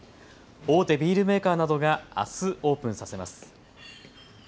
大手ビールメーカーなどがあす、オープンさせます。